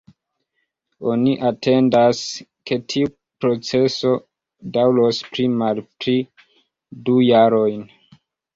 Oni atendas ke tiu proceso daŭros pli malpli du jarojn.